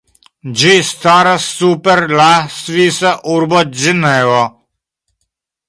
Ĝi staras super la svisa urbo Ĝenevo.